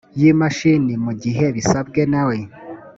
yimashini mu gihe bisabwe nawe